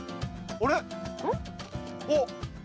あれ。